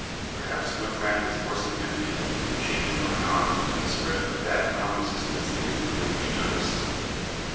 Perhaps no fact is more significant of the change going on than the spread of that non resistance theory lately noticed.